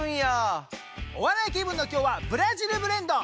お笑い気分の今日はブラジル・ブレンド！